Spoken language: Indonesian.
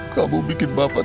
kamu bikin bapak